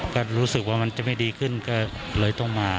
ก็รู้สึกว่ามันจะไม่ดีขึ้นก็เลยต้องมา